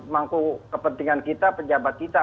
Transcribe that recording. mangku kepentingan kita pejabat kita